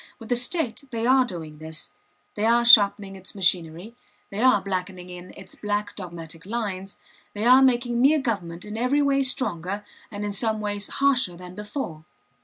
With the state they are doing this; they are sharpening its machinery, they are blackening in its black dogmatic lines, they are making mere government in every way stronger and in some ways harsher than before.